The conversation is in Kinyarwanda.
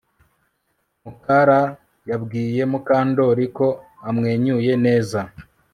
Mukara yabwiye Mukandoli ko amwenyuye neza